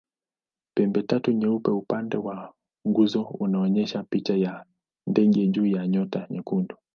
Pembetatu nyeupe upande wa nguzo unaonyesha picha ya ndege juu ya nyota nyekundu.